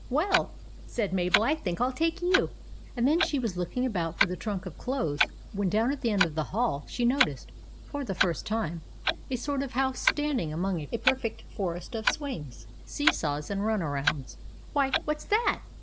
" Well," said Mabel ;" I think I '11 take you." And she was looking about for the trunk of clothes, when down at the end of the hall she noticed, for the first time, a sort of house standing among a perfect forest of swings, see saws, and run arounds. " Why, what 's that